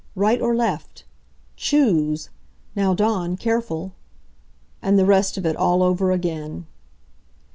Right or left? Choose! Now, Dawn, careful!" and the rest of it all over again.